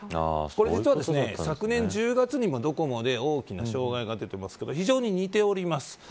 これ実は昨年１０月にもドコモで大きな障害が出てますけど非常に似ております。